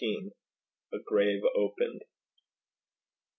A GRAVE OPENED.